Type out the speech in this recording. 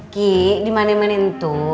kiki dimana mana itu